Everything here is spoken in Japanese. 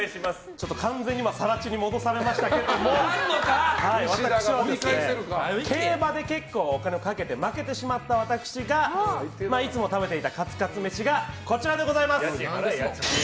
ちょっと完全に更地に戻されましたけど競馬で結構、お金をかけて負けてしまった私がいつも食べていたカツカツ飯がこちらでございます。